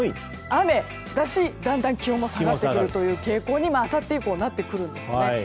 雨だしだんだん気温も下がる傾向にあさって以降なってくるんです。